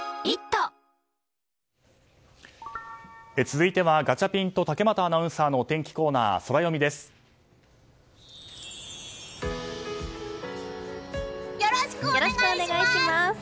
続いてはガチャピンと竹俣アナウンサーのよろしくお願いします！